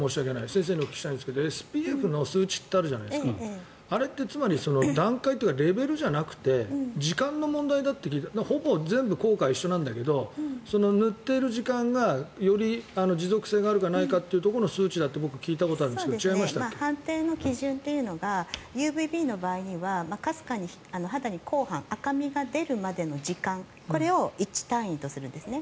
先生にお聞きしたいんですがＳＰＦの数値ってつまり段階というかレベルじゃなくて時間の問題だって聞いたほぼ全部効果は一緒なんだけど塗ってる時間がより持続性があるかないかという数値だと僕、聞いたことがあるんですが判定の基準というのがＵＶＢの場合はかすかに肌に紅斑赤みが出るまでの時間これを１単位とするんですね。